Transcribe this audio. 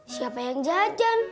siapa yang jajan